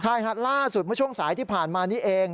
ใช่ครับล่าสุดเมื่อช่วงสายที่ผ่านมานี้เอง